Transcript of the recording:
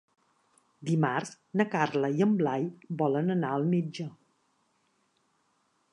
Dimarts na Carla i en Blai volen anar al metge.